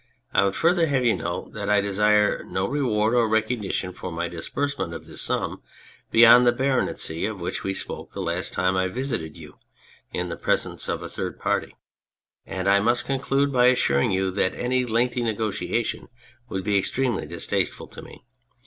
I would further have you note that I desire no reward or recognition for my disbursement of this sum beyond the baronetcy of which we spoke the last time I visited you, in the presence of a third party ; and I must conclude by assuring you that any lengthy negotiation would be extremely distasteful to me.